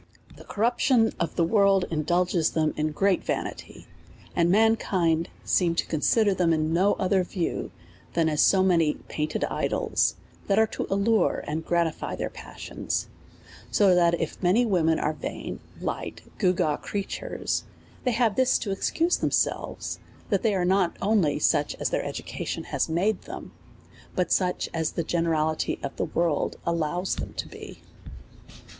The corruption of the world indulges them in great vanity ; and mankind seem to consider them in no other view, than as so many painted idols, that are to allure and gratify their passions ; so that if many wo men are vain, light, gewgaw creatures, they have this to excuse themselves, that they are not only such as their education has made them, but such as the gene rality of the world allows them to be.